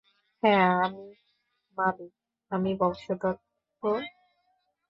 হ্যাঁ, আমি মালিক, আমি বংশধর, তো?